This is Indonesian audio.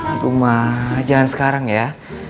aduh mah jangan sekarang ya